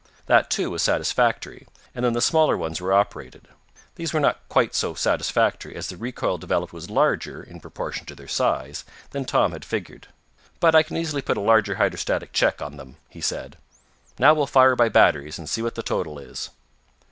That, too, was satisfactory, and then the smaller ones were operated. These were not quite so satisfactory, as the recoil developed was larger, in proportion to their size, than Tom had figured. "But I can easily put a larger hydrostatic check on them," he said. "Now, we'll fire by batteries, and see what the total is."